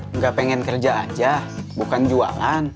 nggak pengen kerja aja bukan jualan